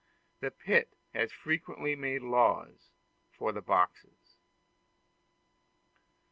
The pit has frequently made laws for the boxes.